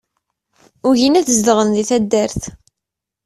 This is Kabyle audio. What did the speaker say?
Ugin ad zedɣen di taddart.